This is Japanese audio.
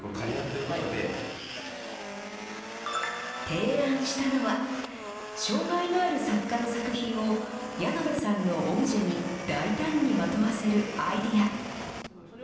提案したのは、障害のある作家の作品を、ヤノベさんのオブジェに大胆にまとわせるアイデア。